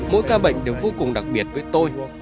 mỗi ca bệnh đều vô cùng đặc biệt với tôi